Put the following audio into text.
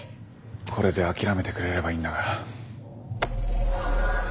これで諦めてくれればいいんだが。